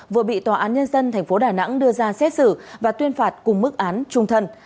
vừa bị tòa án nhân dân tp đà nẵng đưa ra xét xử và tuyên phạt cùng mức án trung thân